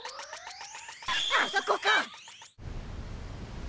あそこか！